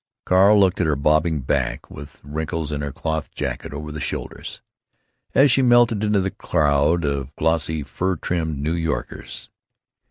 Carl looked at her bobbing back (with wrinkles in her cloth jacket over the shoulders) as she melted into the crowd of glossy fur trimmed New Yorkers.